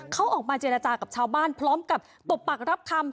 เขาออกมาเจรจากับชาวบ้านพร้อมกับตบปากรับคำ